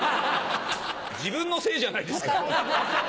自分のせいじゃないですか。